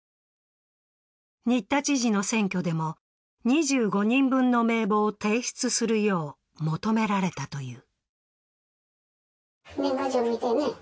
新田知事の選挙でも２５人分の名簿を提出するよう求められたという。